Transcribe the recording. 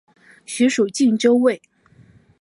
寻属靖州卫。